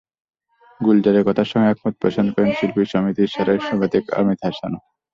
গুলজারের কথার সঙ্গে একমত পোষণ করেন শিল্পী সমিতির সাধারণ সম্পাদক অমিত হাসানও।